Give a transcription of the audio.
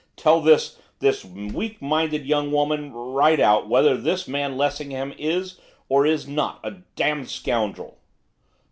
Tell this this weak minded young woman, right out, whether this man Lessingham is, or is not, a damned scoundrel.